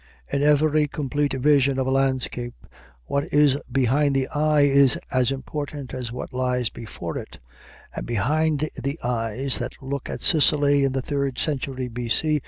In every complete vision of a landscape what is behind the eye is as important as what lies before it, and behind the eyes that looked at Sicily in the third century, B.C.